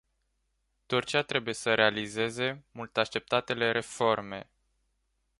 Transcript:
Turcia trebuie să realizeze mult așteptatele reforme.